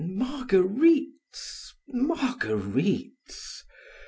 Marguerites, Marguerites!